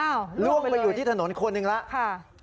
อ้าวร่วงไปเลยร่วงไปอยู่ที่ถนนคนหนึ่งแล้ว